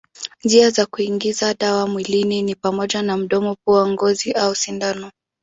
Njia za kuingiza dawa mwilini ni pamoja na mdomo, pua, ngozi au sindano.